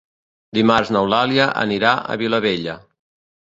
Dimarts n'Eulàlia anirà a Vilabella.